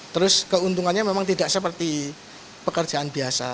terus keuntungannya memang tidak seperti pekerjaan biasa